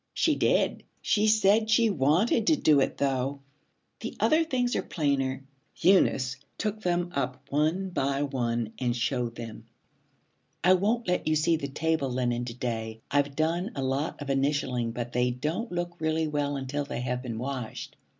'She did. She said she wanted to do it, though. The other things are plainer.' Eunice took them up one by one and showed them. 'I won't let you see the table linen to day. I've done a lot of initialing, but they don't look really well until they have been washed.'